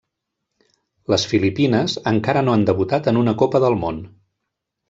Les Filipines encara no han debutat en una Copa del Món.